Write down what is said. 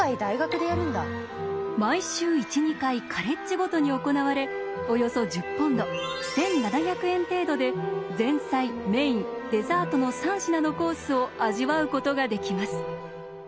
毎週１２回カレッジごとに行われおよそ１０ポンド１，７００円程度で前菜メインデザートの３品のコースを味わうことができます。